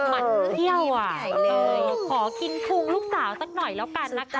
มันเที่ยวอ่ะขอกินพุงลูกสาวสักหน่อยแล้วกันนะคะ